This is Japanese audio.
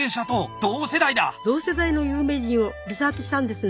同世代の有名人をリサーチしたんですね。